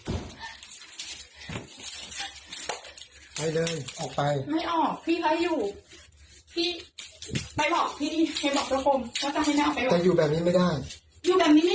อาหารตามไม่จบแตบหาวเลย